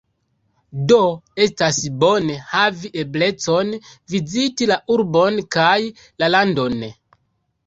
Do, estas bone havi eblecon viziti la urbon kaj la landon.